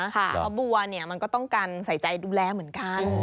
เพราะบัวมันก็ต้องการใส่ใจดูแลเหมือนกัน